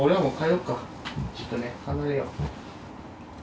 ちょっとね離れよう。